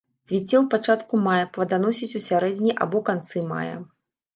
Цвіце ў пачатку мая, пладаносіць у сярэдзіне або канцы мая.